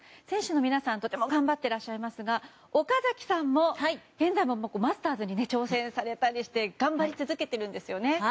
選手の皆さんとても頑張ってらっしゃいますが岡崎さんもマスターズに挑戦されたりして頑張り続けているんですよね。